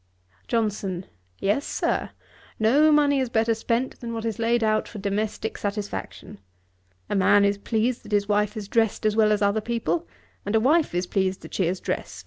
JOHNSON. 'Yes, Sir; no money is better spent than what is laid out for domestick satisfaction. A man is pleased that his wife is drest as well as other people; and a wife is pleased that she is drest.'